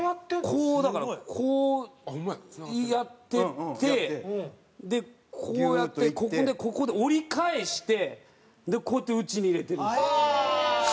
こうだからこうやっていってでこうやってここで折り返してこうやって内に入れてるんですよ。